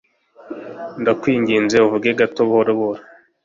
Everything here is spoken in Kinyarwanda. Ndakwinginze uvuge gato buhoro buhoro?